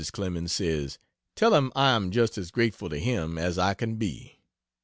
Clemens says, "Tell him I am just as grateful to him as I can be."